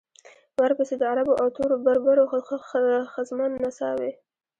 ورپسې د عربو او تورو بربرو ښځمنو نڅاوې.